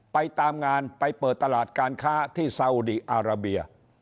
ไปตามงานไปเปิดตลาดการค้าที่ซาอุดีอาราเบีย